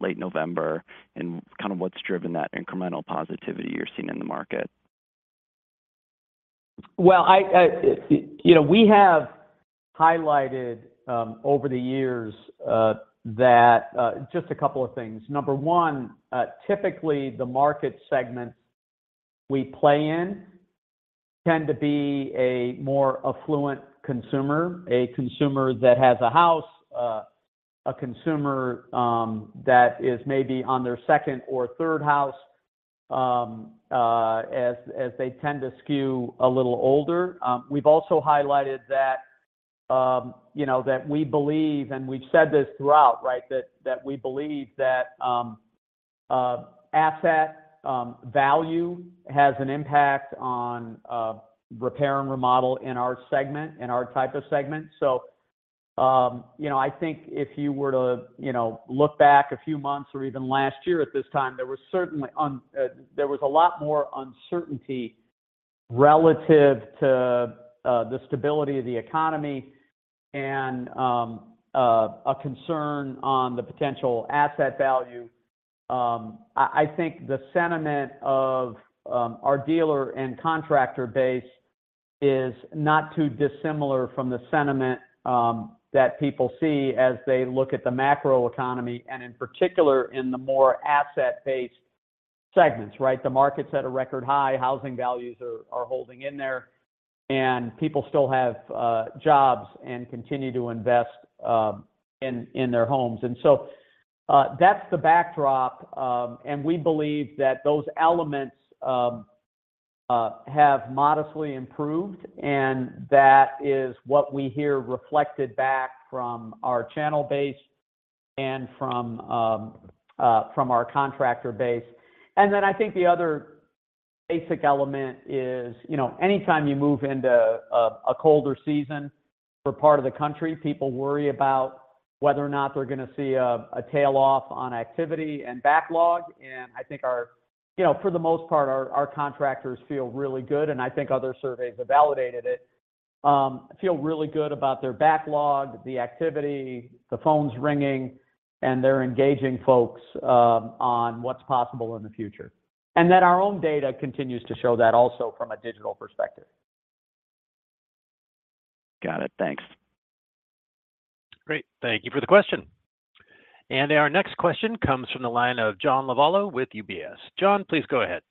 late November, and kind of what's driven that incremental positivity you're seeing in the market? Well, you know, we have highlighted over the years that. Just a couple of things. Number one, typically, the market segments we play in tend to be a more affluent consumer, a consumer that has a house, a consumer that is maybe on their second or third house, as they tend to skew a little older. We've also highlighted that, you know, that we believe, and we've said this throughout, right? That we believe that asset value has an impact on repair and remodel in our segment, in our type of segment. So, you know, I think if you were to, you know, look back a few months or even last year at this time, there was certainly there was a lot more uncertainty relative to the stability of the economy and a concern on the potential asset value. I think the sentiment of our dealer and contractor base is not too dissimilar from the sentiment that people see as they look at the macroeconomy, and in particular, in the more asset-based segments, right? The market's at a record high, housing values are holding in there, and people still have jobs and continue to invest in their homes. And so, that's the backdrop, and we believe that those elements... have modestly improved, and that is what we hear reflected back from our channel base and from our contractor base. And then I think the other basic element is, you know, anytime you move into a colder season for part of the country, people worry about whether or not they're gonna see a tail off on activity and backlog. And I think, you know, for the most part, our contractors feel really good, and I think other surveys have validated it. Feel really good about their backlog, the activity, the phone's ringing, and they're engaging folks on what's possible in the future. And then our own data continues to show that also from a digital perspective. Got it. Thanks. Great. Thank you for the question. Our next question comes from the line of John Lovallo with UBS. John, please go ahead.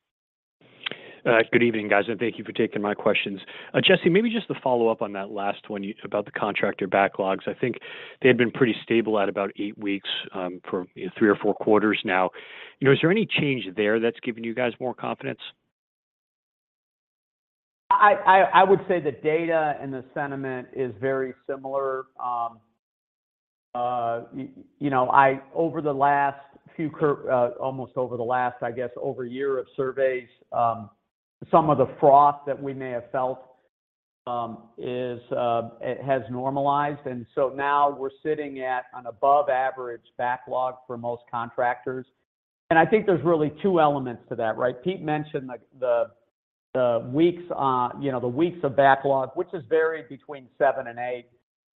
Good evening, guys, and thank you for taking my questions. Jesse, maybe just to follow up on that last one about the contractor backlogs. I think they had been pretty stable at about eight weeks for three or four quarters now. You know, is there any change there that's giving you guys more confidence? I would say the data and the sentiment is very similar. You know, over the last few almost over the last, I guess, over a year of surveys, some of the froth that we may have felt it has normalized, and so now we're sitting at an above average backlog for most contractors. I think there's really two elements to that, right? Pete mentioned the weeks, you know, the weeks of backlog, which has varied between seven and eight.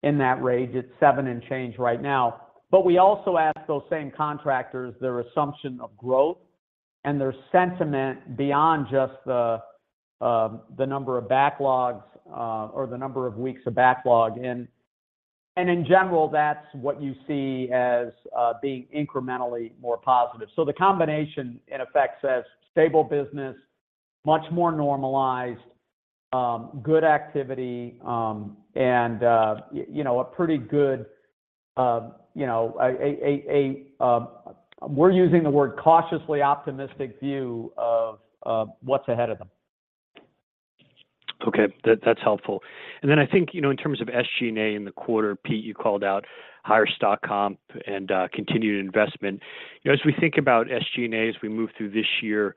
In that range, it's seven and change right now. But we also ask those same contractors their assumption of growth and their sentiment beyond just the number of backlogs or the number of weeks of backlog. And in general, that's what you see as being incrementally more positive. So the combination, in effect, says stable business, much more normalized, good activity, and, you know, a pretty good, you know. We're using the word cautiously optimistic view of what's ahead of them. Okay. That's helpful. And then I think, you know, in terms of SG&A in the quarter, Pete, you called out higher stock comp and continued investment. You know, as we think about SG&A, as we move through this year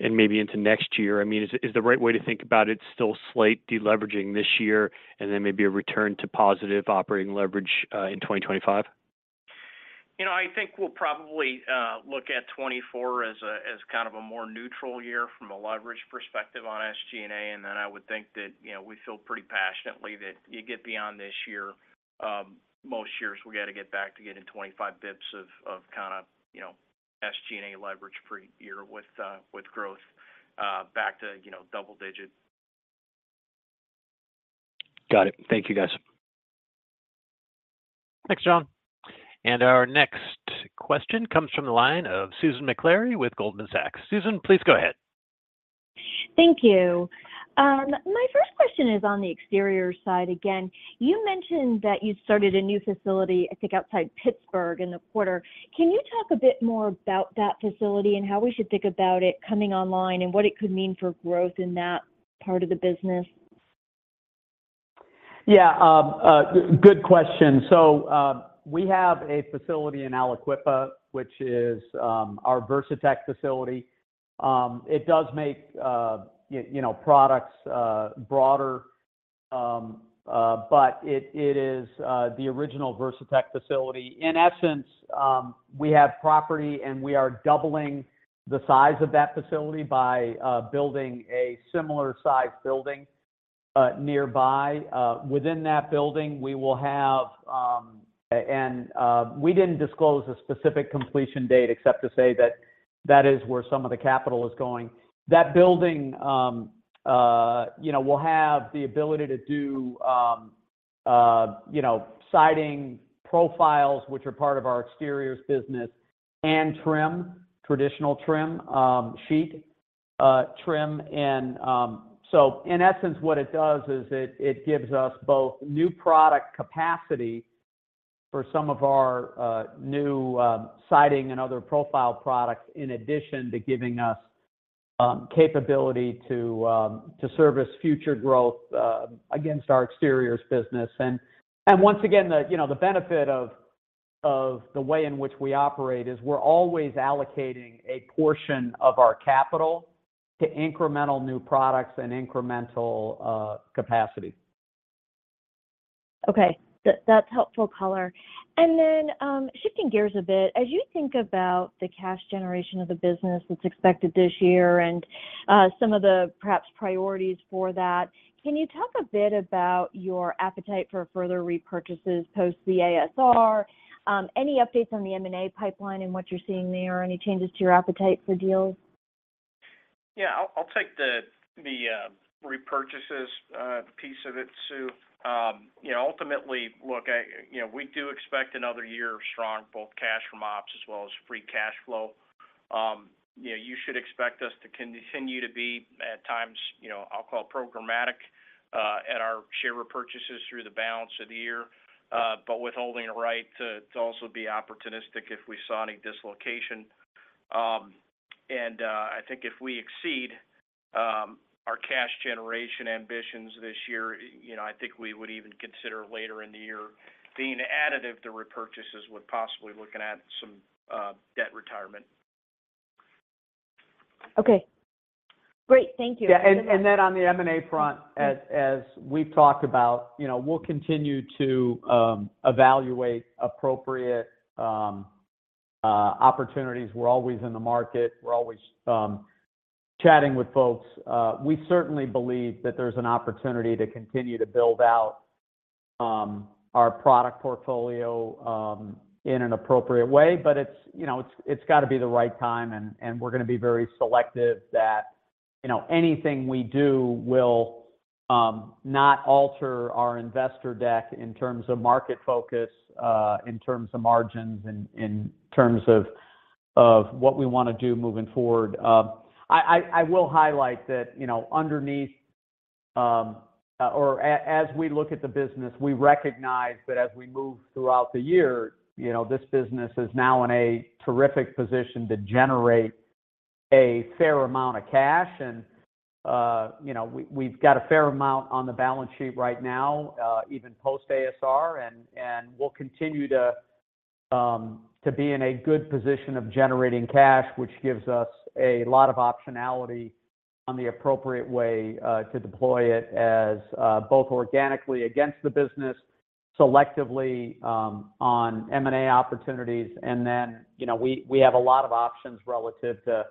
and maybe into next year, I mean, is the right way to think about it still slight deleveraging this year, and then maybe a return to positive operating leverage in 2025? You know, I think we'll probably look at 2024 as kind of a more neutral year from a leverage perspective on SG&A. And then I would think that, you know, we feel pretty passionately that you get beyond this year, most years, we got to get back to getting 25 basis points of kinda, you know, SG&A leverage per year with growth back to, you know, double digit. Got it. Thank you, guys. Thanks, John. And our next question comes from the line of Susan Maklari with Goldman Sachs. Susan, please go ahead. Thank you. My first question is on the exterior side again. You mentioned that you started a new facility, I think, outside Pittsburgh in the quarter. Can you talk a bit more about that facility and how we should think about it coming online, and what it could mean for growth in that part of the business? Yeah, good question. So, we have a facility in Aliquippa, which is our Versatex facility. It does make, you know, products broader, but it is the original Versatex facility. In essence, we have property, and we are doubling the size of that facility by building a similar size building nearby. Within that building, we will have... And, we didn't disclose a specific completion date, except to say that that is where some of the capital is going. That building, you know, will have the ability to do, you know, siding profiles, which are part of our exteriors business, and trim, traditional trim, sheet trim. And, so in essence, what it does is it gives us both new product capacity for some of our new siding and other profile products, in addition to giving us capability to service future growth against our exteriors business. And once again, you know, the benefit of the way in which we operate is we're always allocating a portion of our capital to incremental new products and incremental capacity. Okay, that's helpful color. And then, shifting gears a bit, as you think about the cash generation of the business that's expected this year and, some of the perhaps priorities for that, can you talk a bit about your appetite for further repurchases post the ASR? Any updates on the M&A pipeline and what you're seeing there, or any changes to your appetite for deals? Yeah, I'll take the repurchases piece of it, Sue. You know, ultimately, look, you know, we do expect another year of strong both cash from ops as well as free cash flow. You know, you should expect us to continue to be, at times, you know, I'll call programmatic at our share repurchases through the balance of the year, but with holding a right to also be opportunistic if we saw any dislocation. And, I think if we exceed our cash generation ambitions this year, you know, I think we would even consider later in the year being additive to repurchases, with possibly looking at some debt retirement. Okay. Great, thank you. Yeah, and, and then on the M&A front, as, as we've talked about, you know, we'll continue to evaluate appropriate opportunities. We're always in the market. We're always chatting with folks. We certainly believe that there's an opportunity to continue to build out our product portfolio in an appropriate way. But it's, you know, it's, it's got to be the right time, and, and we're gonna be very selective that, you know, anything we do will not alter our investor deck in terms of market focus, in terms of margins, in terms of what we want to do moving forward. I will highlight that, you know, underneath, as we look at the business, we recognize that as we move throughout the year, you know, this business is now in a terrific position to generate a fair amount of cash. And, you know, we've got a fair amount on the balance sheet right now, even post ASR. And we'll continue to be in a good position of generating cash, which gives us a lot of optionality on the appropriate way to deploy it as both organically against the business, selectively, on M&A opportunities. And then, you know, we have a lot of options relative to,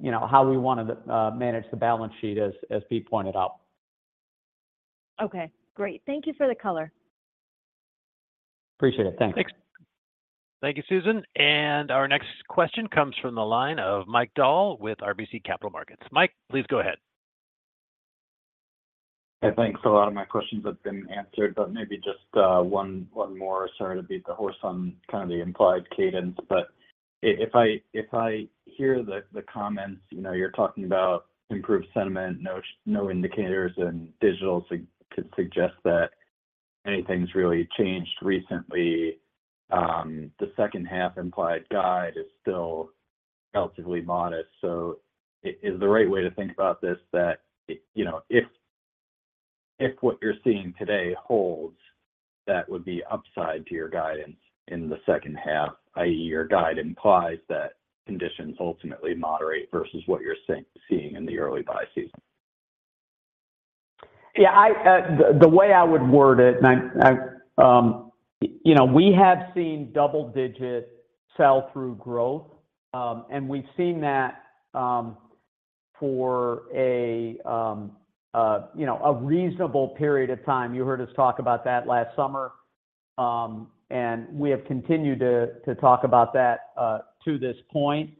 you know, how we wanna manage the balance sheet, as Pete pointed out. Okay, great. Thank you for the color. Appreciate it. Thanks. Thanks. Thank you, Susan. Our next question comes from the line of Mike Dahl with RBC Capital Markets. Mike, please go ahead. I think a lot of my questions have been answered, but maybe just one more. Sorry to beat the horse on kind of the implied cadence, but if I hear the comments, you know, you're talking about improved sentiment, no indicators and digital signals could suggest that anything's really changed recently. The second half implied guide is still relatively modest. So is the right way to think about this that, you know, if what you're seeing today holds, that would be upside to your guidance in the second half, i.e., your guide implies that conditions ultimately moderate versus what you're seeing in the early buy season? Yeah, the way I would word it. You know, we have seen double-digit sell-through growth, and we've seen that for a you know, a reasonable period of time. You heard us talk about that last summer. And we have continued to talk about that to this point.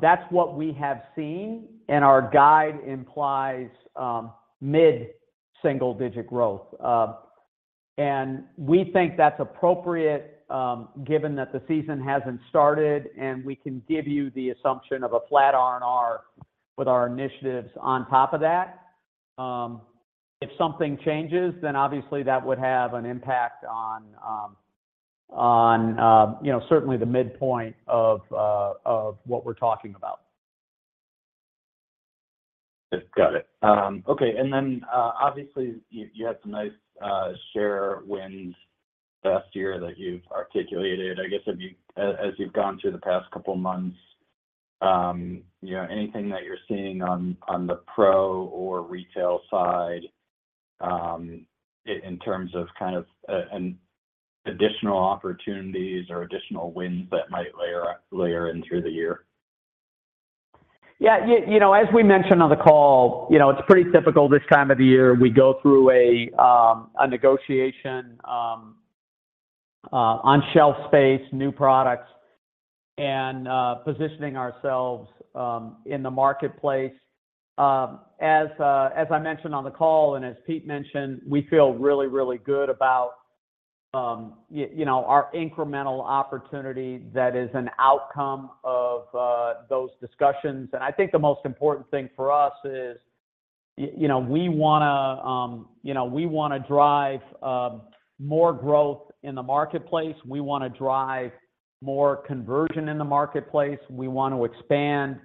That's what we have seen, and our guide implies mid-single-digit growth. And we think that's appropriate, given that the season hasn't started, and we can give you the assumption of a flat R&R with our initiatives on top of that. If something changes, then obviously that would have an impact on you know, certainly the midpoint of what we're talking about. Got it. Okay, and then, obviously, you had some nice share wins last year that you've articulated. I guess, if you—as you've gone through the past couple months, you know, anything that you're seeing on the pro or retail side, in terms of kind of an additional opportunities or additional wins that might layer in through the year? Yeah, you know, as we mentioned on the call, you know, it's pretty typical this time of the year. We go through a negotiation on shelf space, new products, and positioning ourselves in the marketplace. As I mentioned on the call, and as Pete mentioned, we feel really, really good about, you know, our incremental opportunity that is an outcome of those discussions. And I think the most important thing for us is, you know, we wanna, you know, we wanna drive more growth in the marketplace. We wanna drive more conversion in the marketplace. We want to expand,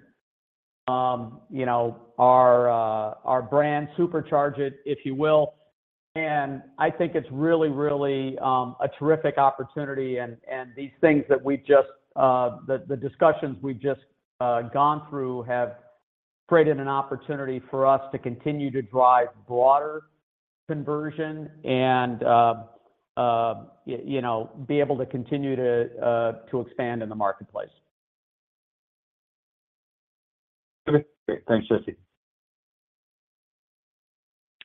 you know, our brand, supercharge it, if you will. And I think it's really, really a terrific opportunity, and these things that we've just gone through have created an opportunity for us to continue to drive broader conversion and, you know, be able to continue to expand in the marketplace. Okay, great. Thanks, Jesse.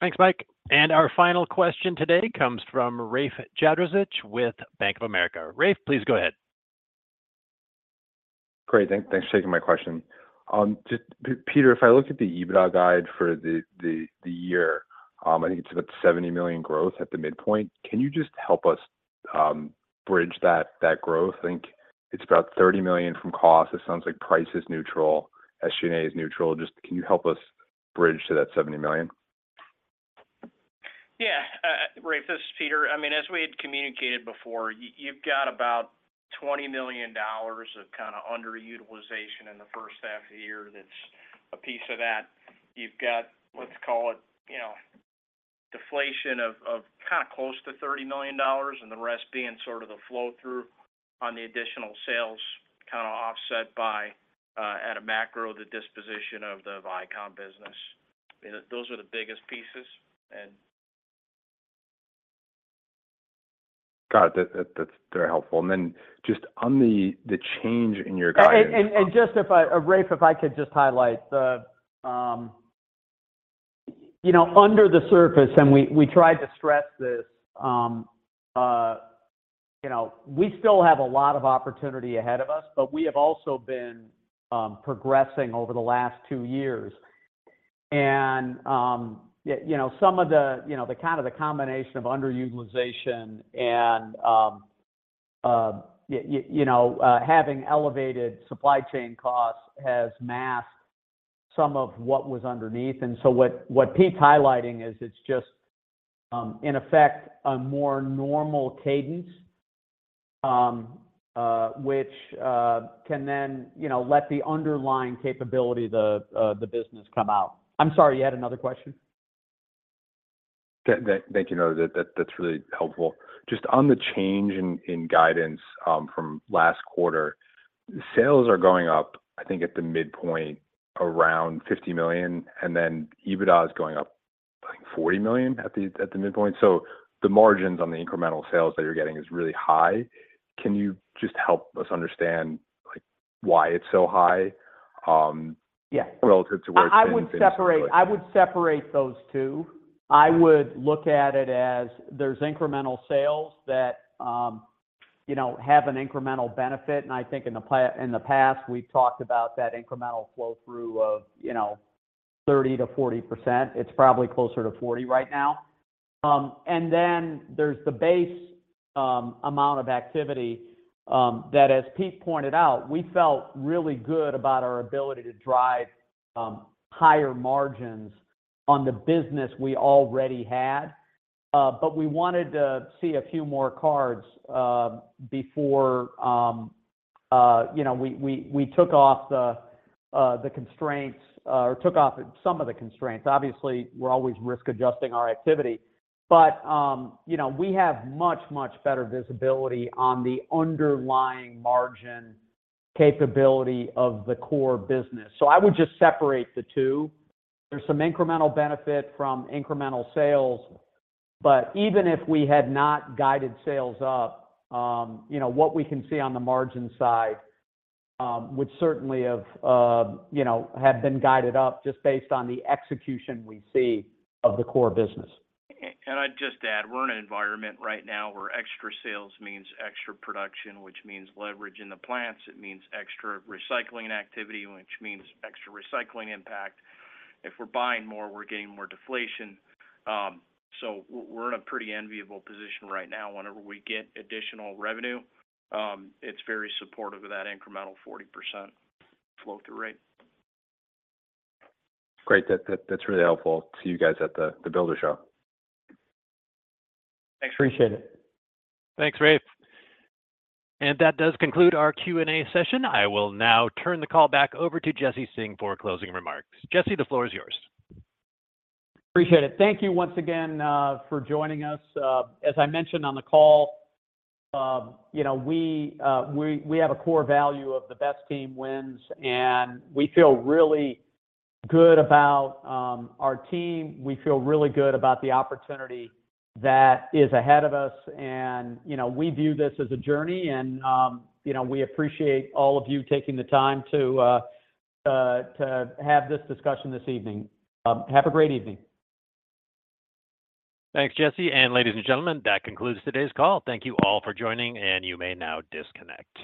Thanks, Mike. And our final question today comes from Rafe Jadrosich with Bank of America. Rafe, please go ahead. Great, thanks for taking my question. Just Peter, if I look at the EBITDA guide for the year, I think it's about $70 million growth at the midpoint. Can you just help us bridge that growth? I think it's about $30 million from cost. It sounds like price is neutral, SG&A is neutral. Just can you help us bridge to that $70 million? Yeah, Rafe, this is Peter. I mean, as we had communicated before, you've got about $20 million of kind of underutilization in the first half of the year. That's a piece of that. You've got, let's call it, you know, deflation of, of kind of close to $30 million, and the rest being sort of the flow-through on the additional sales, kind of offset by, at a macro, the disposition of the Vycom business. You know, those are the biggest pieces, and- Got it. That's very helpful. And then just on the change in your guidance- And just if I, Rafe, if I could just highlight the, you know, under the surface, and we tried to stress this, you know, we still have a lot of opportunity ahead of us, but we have also been progressing over the last two years. And yeah, you know, some of the kind of the combination of underutilization and you know, having elevated supply chain costs has masked some of what was underneath. And so what Pete's highlighting is it's just in effect, a more normal cadence, which can then you know, let the underlying capability of the business come out. I'm sorry, you had another question? Thank you. No, that, that's really helpful. Just on the change in guidance from last quarter, sales are going up, I think at the midpoint, around $50 million, and then EBITDA is going up, like, $40 million at the midpoint. So the margins on the incremental sales that you're getting is really high. Can you just help us understand, like, why it's so high? Yeah... relative to where it's been? I would separate, I would separate those two. I would look at it as there's incremental sales that, you know, have an incremental benefit. And I think in the past, we've talked about that incremental flow-through of, you know, 30%-40%. It's probably closer to 40 right now. And then there's the base amount of activity that, as Pete pointed out, we felt really good about our ability to drive higher margins on the business we already had. But we wanted to see a few more cards before, you know, we took off the constraints or took off some of the constraints. Obviously, we're always risk-adjusting our activity, but, you know, we have much, much better visibility on the underlying margin capability of the core business. So I would just separate the two. There's some incremental benefit from incremental sales, but even if we had not guided sales up, you know, what we can see on the margin side would certainly have, you know, been guided up just based on the execution we see of the core business. And I'd just add, we're in an environment right now where extra sales means extra production, which means leverage in the plants. It means extra recycling activity, which means extra recycling impact. If we're buying more, we're getting more deflation. So we're in a pretty enviable position right now. Whenever we get additional revenue, it's very supportive of that incremental 40% flow-through rate. Great. That's really helpful. See you guys at the Builder Show. Thanks. Appreciate it. Thanks, Rafe. That does conclude our Q&A session. I will now turn the call back over to Jesse Singh for closing remarks. Jesse, the floor is yours. Appreciate it. Thank you once again, for joining us. As I mentioned on the call, you know, we have a core value of the best team wins, and we feel really good about, our team. We feel really good about the opportunity that is ahead of us, and, you know, we view this as a journey, and, you know, we appreciate all of you taking the time to, to have this discussion this evening. Have a great evening. Thanks, Jesse. Ladies and gentlemen, that concludes today's call. Thank you all for joining, and you may now disconnect.